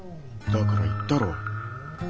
だから言ったろう。